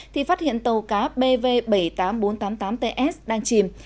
thì phát hiện tàu cá bv bảy mươi tám nghìn bốn trăm tám mươi tám ts đang chìm